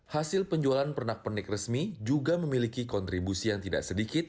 hasil penjualan pernak pernik resmi juga memiliki kontribusi yang tidak sedikit